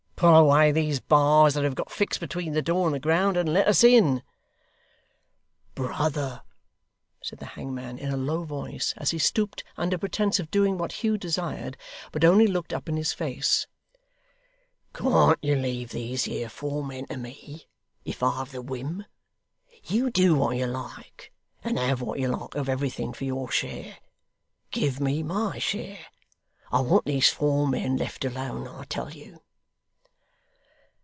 Pull away these bars that have got fixed between the door and the ground; and let us in.' 'Brother,' said the hangman, in a low voice, as he stooped under pretence of doing what Hugh desired, but only looked up in his face, 'can't you leave these here four men to me, if I've the whim! You do what you like, and have what you like of everything for your share, give me my share. I want these four men left alone, I tell you!